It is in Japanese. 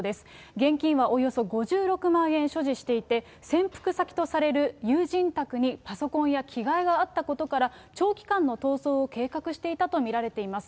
現金はおよそ５６万円所持していて、潜伏先とされる友人宅にパソコンや着替えがあったことから、長期間の逃走を計画していたと見られています。